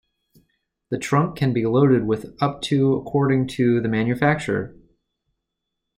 The trunk can be loaded with up to according to the manufacturer.